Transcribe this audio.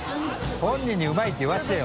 本人にうまいって言わせてよ。